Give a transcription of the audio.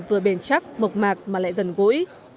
vừa bền chắc mộc mạc mà lại gần gũi